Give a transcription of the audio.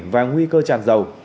và nguy cơ tràn dầu